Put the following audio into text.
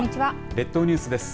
列島ニュースです。